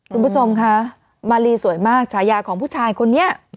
คุณผู้ชมคะมาลีสวยมากฉายาของผู้ชายคนนี้